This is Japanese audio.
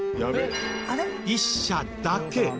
１社だけ。